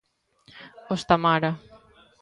Os Tamara.